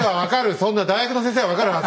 そんな大学の先生は分かるはず！